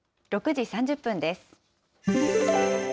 ６時３０分です。